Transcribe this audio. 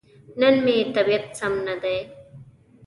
نن مې طبيعت سم ندی.